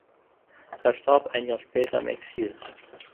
Er starb ein Jahr später im Exil.